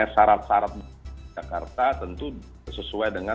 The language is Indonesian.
saran saran jakarta tentu sesuai dengan